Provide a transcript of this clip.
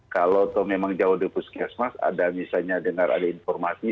kalau memang jauh di puskesmas ada misalnya dengar ada informasi